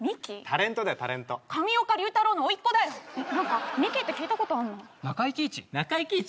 ・タレントだよタレント・上岡龍太郎のおいっ子だよ・何かミキって聞いたことあるな中井貴一？